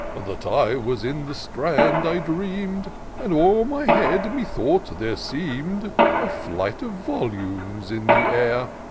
" That I was in the Strand I dream'd, And o*er my head methought there seem'd A flight of volumes in the air.